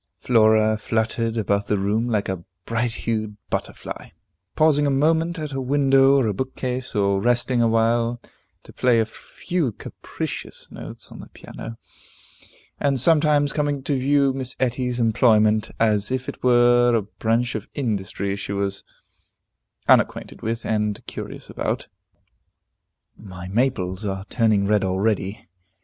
Flora fluttered about the room like a bright hued butterfly, pausing a moment at a window or a bookcase, or resting awhile to play a few capricious notes on the piano, and sometimes coming to view Miss Etty's employment, as if it were a branch of industry she was unacquainted with, and curious about. The maples are turning red already.